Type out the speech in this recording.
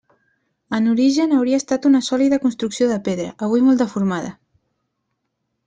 En origen hauria estat una sòlida construcció de pedra, avui molt deformada.